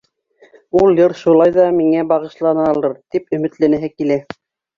Ул йыр шулай ҙа миңә бағышланалыр, тип өмөтләнәһе килә.